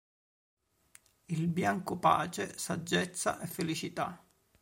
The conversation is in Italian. Il bianco pace, saggezza e felicità.